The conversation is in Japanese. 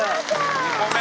２個目。